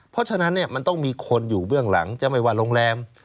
เพราะฉะนั้นมันต้องมีคนอยู่เบื้องหลังจะไม่ว่าโรงแรม